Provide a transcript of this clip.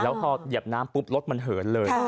แล้วพอเหยียบน้ำปุ๊บรถมันเหินเลย